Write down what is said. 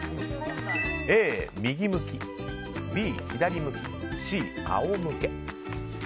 Ａ、右向きＢ、左向きＣ、あお向け。